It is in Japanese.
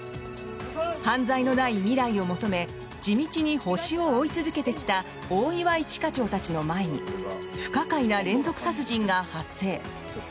犯罪のない未来を求め地道にホシを追い続けてきた大岩一課長たちの前に不可解な連続殺人が発生。